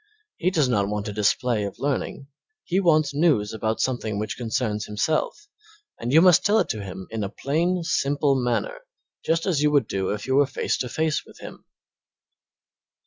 He does not want a display of learning; he wants news about something which concerns himself, and you must tell it to him in a plain, simple manner just as you would do if you were face to face with him.